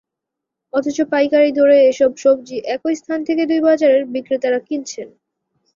অথচ পাইকারি দরে এসব সবজি একই স্থান থেকে দুই বাজারের বিক্রেতারা কিনছেন।